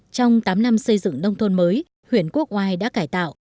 trong tám năm xây dựng nông thôn mới huyện quốc oai đã cải tạo